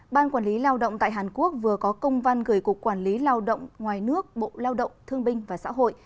ban quản lý lao động tại hàn quốc vừa có công văn gửi cục quản lý lao động ngoài nước bộ lao động thương binh và xã hội